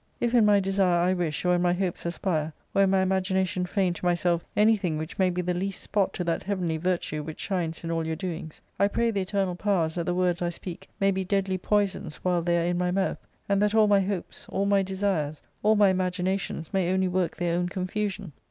If in my desire I wish, or in my hopes aspire, or in my imagination feign to myself ^inything which may be the least spot to that heavenly virtue which shines in all your doings, I pray the eternal powers that the words I speak may be deadly poisons while they are in my mouth, and that all my hopes, all my desires, all my imaginations may only work their own confusion.